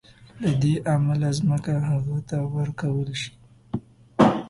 له دې امله ځمکه هغه ته ورکول شي.